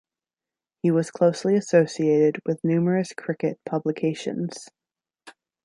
He was closely associated with numerous cricket publications.